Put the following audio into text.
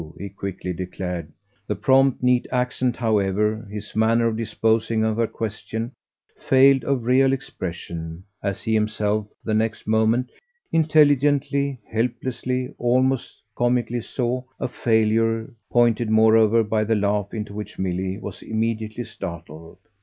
he quickly declared. The prompt neat accent, however, his manner of disposing of her question, failed of real expression, as he himself the next moment intelligently, helplessly, almost comically saw a failure pointed moreover by the laugh into which Milly was immediately startled.